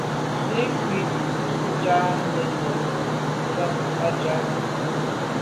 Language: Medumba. Nzìkû’ cwɛ̌d nja ndèdndèd nùú ntchɔ́k á jáà.